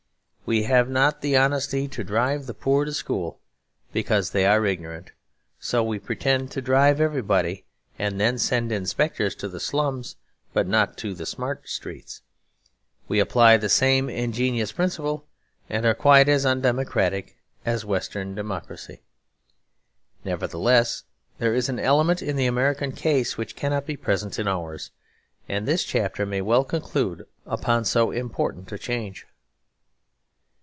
We have not the honesty to drive the poor to school because they are ignorant; so we pretend to drive everybody; and then send inspectors to the slums but not to the smart streets. We apply the same ingenuous principle; and are quite as undemocratic as Western democracy. Nevertheless there is an element in the American case which cannot be present in ours; and this chapter may well conclude upon so important a change.